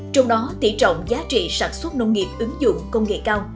trong đó tỉ trọng giá trị sản xuất nông nghiệp ứng dụng công nghệ cao